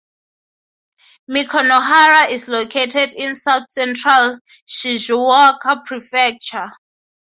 Makinohara is located in south-central Shizuoka Prefecture.